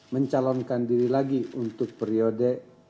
mencalonkan diri lagi untuk periode